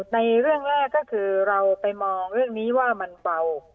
ในเรื่องแรกก็คือเราไปมองเรื่องนี้ว่ามันเบา